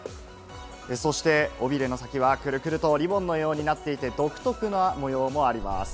そして尾びれの先はくるくるとリボンのようになっていて独特な模様もあります。